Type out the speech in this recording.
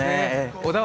小田原